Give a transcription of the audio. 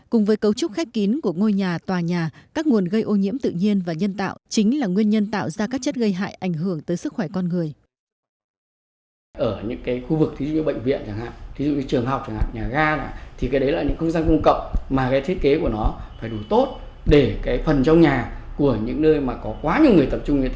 cùng với cấu trúc khép kín của ngôi nhà tòa nhà các nguồn gây ô nhiễm tự nhiên và nhân tạo chính là nguyên nhân tạo ra các chất gây hại ảnh hưởng tới sức khỏe con người